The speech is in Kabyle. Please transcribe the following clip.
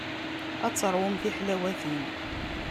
Ad teṛwum tiḥlawatin.